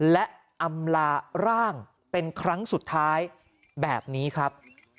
และอำลาร่างเป็นครั้งสุดท้ายแบบนี้ครับ